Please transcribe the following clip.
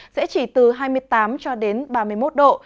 sẽ chỉ từ hai mươi tám cho đến ba mươi một độ